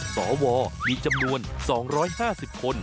สวมีจำนวน๒๕๐คน